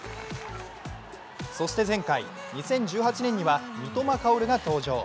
そして前回、２０１８年には三笘薫が登場。